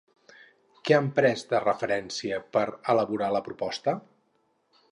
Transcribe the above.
Què han pres de referència per elaborar la proposta?